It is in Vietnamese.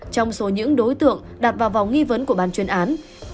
trong số những đối tượng đặt vào vòng nghi vấn của ban chuyên án